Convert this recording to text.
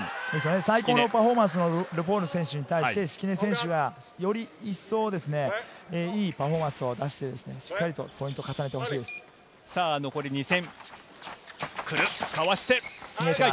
最高のパフォーマンスのルフォール選手に対して、敷根選手がより一層、いいパフォーマンスを出してポイントを残り２戦。